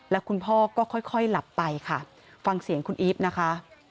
แล้วคุณพ่อก็ค่อยหลับไปค่ะฟังเสียงคุณอีฟนะคะ